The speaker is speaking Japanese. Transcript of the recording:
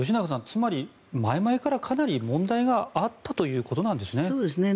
つまり前々からかなり問題があったということなんですね。